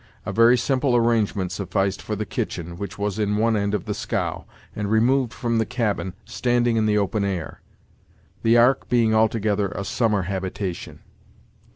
A very simple arrangement sufficed for the kitchen, which was in one end of the scow, and removed from the cabin, standing in the open air; the ark being altogether a summer habitation.